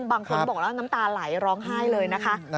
บางคนบอกแล้วน้ำตาไหลร้องไห้เลยนะคะ